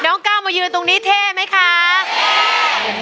น้องก้าวมายืนตรงนี้เท่ไหม